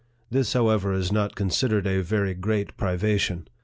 This, however, is not considered a very great privation.